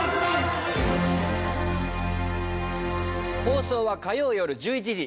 放送は火曜夜１１時。